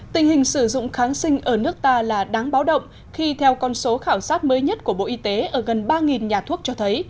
tình hình sử dụng kháng sinh ở nước ta là đáng báo động khi theo con số khảo sát mới nhất của bộ y tế ở gần ba nhà thuốc cho thấy